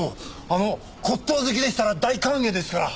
あの骨董好きでしたら大歓迎ですから。